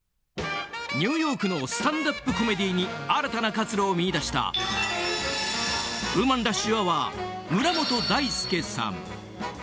ニューヨークのスタンダップコメディーに新たな活路を見いだしたウーマンラッシュアワー村本大輔さん。